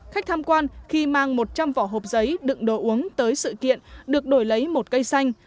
khách tham quan khi mang một trăm linh vỏ hộp giấy đựng đồ uống tới sự kiện được đổi lấy một cây xanh